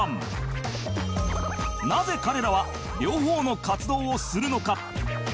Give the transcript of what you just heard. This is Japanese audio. なぜ彼らは両方の活動をするのか？